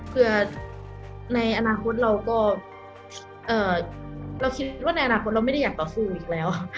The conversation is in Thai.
เพื่อในอนาคตเราก็เราคิดว่าในอนาคตเราไม่ได้อยากต่อสู้อีกแล้ว